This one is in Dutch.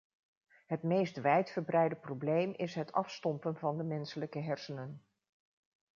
Het meest wijdverbreide probleem is het afstompen van de menselijke hersenen.